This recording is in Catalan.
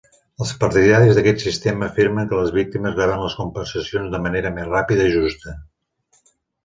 Els partidaris d'aquest sistema afirmen que les víctimes reben les compensacions de manera més ràpida i justa.